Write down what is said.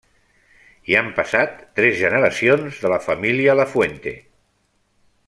Hi han passat tres generacions de la família Lafuente.